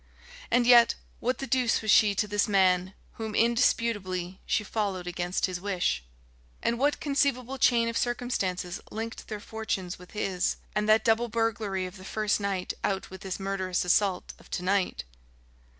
And yet ... what the deuce was she to this man whom, indisputably, she followed against his wish? And what conceivable chain of circumstances linked their fortunes with his, and that double burglary of the first night out with this murderous assault of to night?